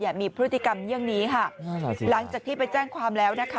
มีพฤติกรรมเยี่ยงนี้ค่ะหลังจากที่ไปแจ้งความแล้วนะคะ